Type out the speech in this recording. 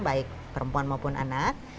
baik perempuan maupun anak